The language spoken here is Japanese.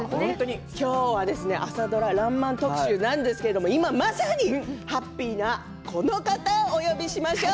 今日は朝ドラ「らんまん」特集なんですが今まさにハッピーなこの方をお呼びしましょう。